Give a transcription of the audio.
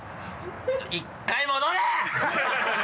１回戻れ！